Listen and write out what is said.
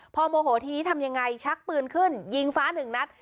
พอโมโหทีนี้ทำยังไงชักปืนขึ้นยิงฟ้าหนึ่งนัด